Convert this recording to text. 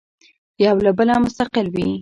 یو له بله مستقل وي.